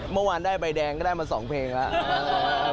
เมื่อวานได้ใบแดงก็ได้มา๒เพลงแล้ว